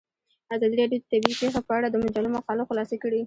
ازادي راډیو د طبیعي پېښې په اړه د مجلو مقالو خلاصه کړې.